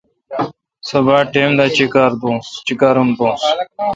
سو باڑ ٹائم دا چیکارم دوس۔